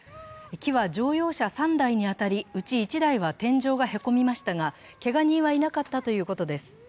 木は乗用車３台に当たり、うち１台は天井がへこみましたがけが人はいなかったということです。